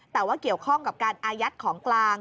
แต่ว่าเกี่ยวข้องกับการอายัดของกลาง